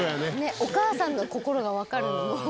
お母さんの心がわかる。